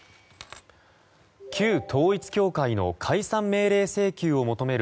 旧統一教会の解散命令請求を求める